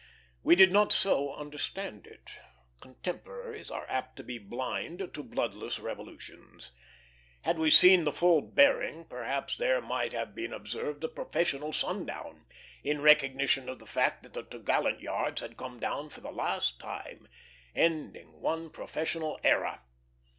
We did not so understand it. Contemporaries are apt to be blind to bloodless revolutions. Had we seen the full bearing, perhaps there might have been observed a professional sundown, in recognition of the fact that the topgallant yards had come down for the last time, ending one professional era.